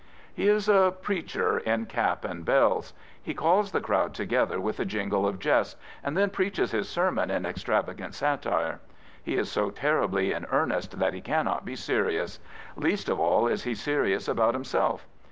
He is a preacher in cap and bells. He calls the crowd together vnth the jingle of jest, and then preaches his sermon in extravagant satire. He is so terribly in earnest that he cannot be serious. Least of all is he serious about himself.